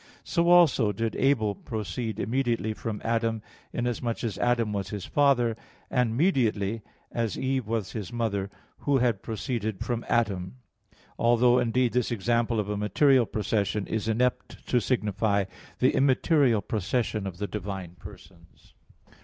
So also did Abel proceed immediately from Adam, inasmuch as Adam was his father; and mediately, as Eve was his mother, who proceeded from Adam; although, indeed, this example of a material procession is inept to signify the immaterial procession of the divine persons.